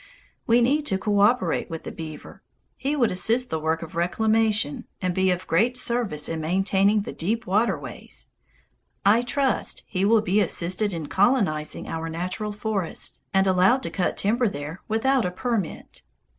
We need to coöperate with the beaver. He would assist the work of reclamation, and be of great service in maintaining the deep waterways. I trust he will be assisted in colonizing our National Forests, and allowed to cut timber there without a permit.